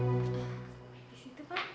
di situ pak